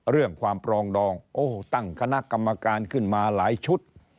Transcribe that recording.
เรื่องความปรองดองโอ้โหตั้งคณะกรรมการขึ้นมาหลายชุด